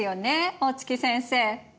大月先生。